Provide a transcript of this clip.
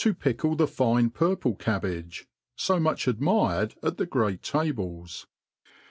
7i pLiU tbi fine Purple Cabbage^ fa much admired «# the great '^ Tables.